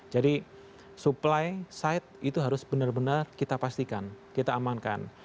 jadi supply side itu harus benar benar kita pastikan kita amankan